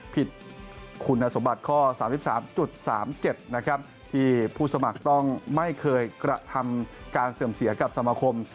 ผิดคุณสมบัติข้อ๓๓๗นะครับที่ผู้สมัครต้องไม่เคยกระทำการเสื่อมเสียกับสมาคม